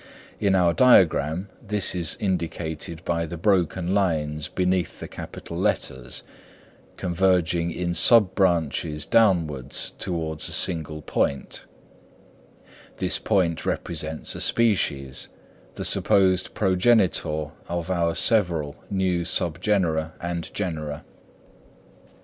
In our diagram this is indicated by the broken lines beneath the capital letters, converging in sub branches downwards towards a single point; this point represents a species, the supposed progenitor of our several new sub genera and genera.